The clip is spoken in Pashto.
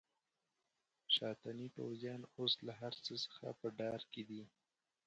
شاتني پوځیان اوس له هرڅه څخه په ډار کې دي.